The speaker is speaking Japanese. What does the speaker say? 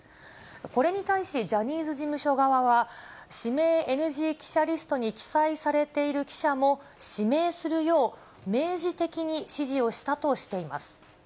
これに対しジャニーズ事務所側は、指名ＮＧ記者リストに記載されている記者も指名するよう明示的に指示をしたとしています。